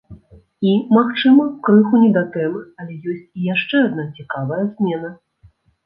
І, магчыма, крыху не да тэмы, але ёсць і яшчэ адна цікавая змена.